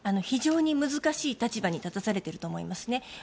非常に難しい立場に立たされていると思いますね。